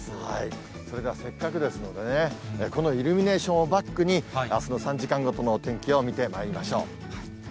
それではせっかくですので、このイルミネーションをバックに、あすの３時間ごとのお天気を見てまいりましょう。